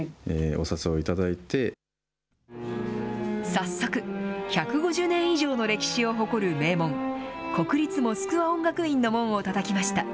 早速、１５０年以上の歴史を誇る名門、国立モスクワ音楽院の門をたたきました。